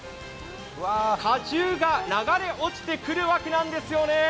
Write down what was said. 果汁が流れ落ちて来るわけなんですよね。